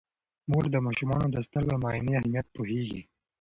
مور د ماشومانو د سترګو د معاینې اهمیت پوهیږي.